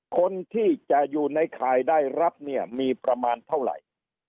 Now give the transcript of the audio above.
คนที่จะอยู่ในข่ายได้รับเนี่ยมีประมาณเท่าไหร่